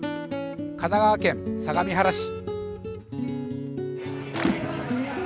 神奈川県相模原市。